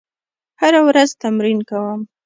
هره ورځ تمرین کوم.